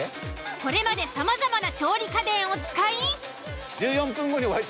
これまでさまざまな調理家電を使い。